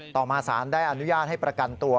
ต่อมาสารได้อนุญาตให้ประกันตัว